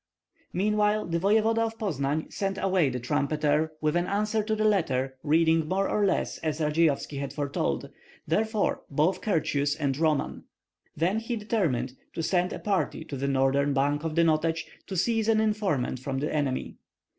Meanwhile the voevoda of Poznan sent away the trumpeter with an answer to the letter reading more or less as Radzeyovski had foretold, therefore both courteous and Roman; then he determined to send a party to the northern bank of the Notets to seize an informant from the enemy.